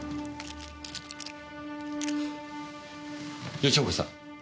吉岡さん。